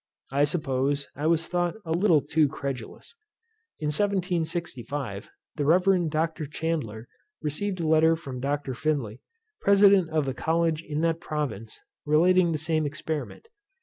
I suppose I was thought a little too credulous. In 1765, the Reverend Dr. Chandler received a letter from Dr. Finley, President of the College in that province, relating the same experiment.